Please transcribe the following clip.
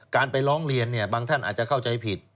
การไปร้องเรียนบางท่านอาจจะเข้าใจผิด